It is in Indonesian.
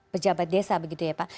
pejabat desa begitu ya pak